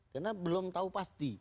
karena belum tahu pasti